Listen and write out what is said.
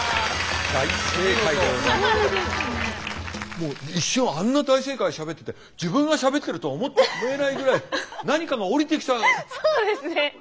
もう一瞬あんな大正解しゃべってて自分がしゃべってるとは思えないぐらいそうですね。